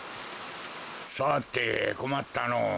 さてこまったのぉ。